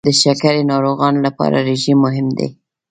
د شکرې ناروغانو لپاره رژیم مهم دی.